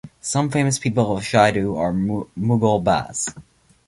Some famous people of Shaidu are Mughal Baz.